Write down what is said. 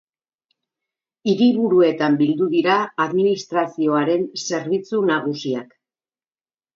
Hiriburuetan bildu dira administrazioaren zerbitzu nagusiak.